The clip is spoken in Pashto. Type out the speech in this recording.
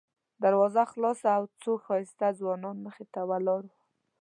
دروازه خلاصه او څو ښایسته ځوانان مخې ته ولاړ وو.